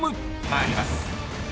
［参ります］